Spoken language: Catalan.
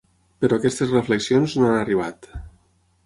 Però aquestes reflexions no han arribat.